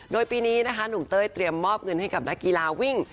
โดยปีนี้นะคะหนุ่มเต้ยเตรียมมอบเงินให้กับนักกีฬาวิ่ง